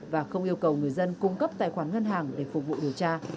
và không yêu cầu người dân cung cấp tài khoản ngân hàng để phục vụ điều tra